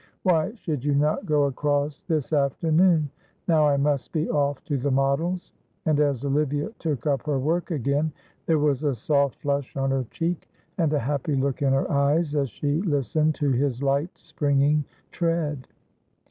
Why should you not go across this afternoon? Now I must be off to the Models;" and as Olivia took up her work again there was a soft flush on her cheek, and a happy look in her eyes as she listened to his light springing tread.